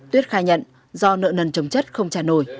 tuyết khai nhận do nợ nần trồng chất không trả nổi